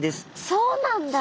そうなんだ。